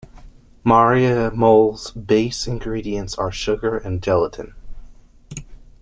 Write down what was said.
Maria mole's base ingredients are sugar and gelatin.